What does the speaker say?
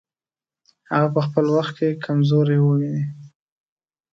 هغه په خپل وخت کې کمزوري وویني.